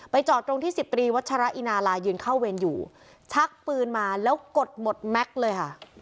จอดตรงที่สิบตรีวัชระอินาลายืนเข้าเวรอยู่ชักปืนมาแล้วกดหมดแม็กซ์เลยค่ะ